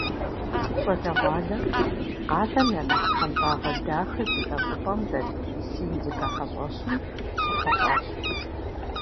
Щӏалэгъуалэр къалэм я нэхъ щхъуантӏагъэ дахэ зиӏэ щӏыпӏэм дэт «Синдикэ» хьэщӏэщым щыхьэщӏащ.